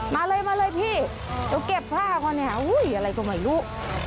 มาเลยมาเลยพี่เดี๋ยวเก็บผ้าก่อนเนี่ยอะไรก็ไม่รู้